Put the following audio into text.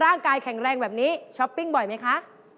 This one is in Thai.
ร่างกายแข็งแรงแบบนี้ช้อปปิ้งบ่อยไหมคะ